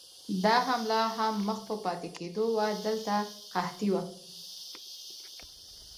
دا حمله هم مخ په پاتې کېدو وه، دلته قحطي وه.